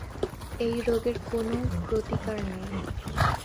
এই রোগের কোনও প্রতিকার নেই।